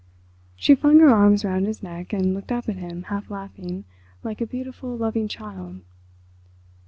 She flung her arms round his neck and looked up at him, half laughing, like a beautiful, loving child.